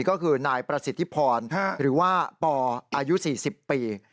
ก็คือนายประสิทธิพรหรือว่าปอายุ๔๐ปี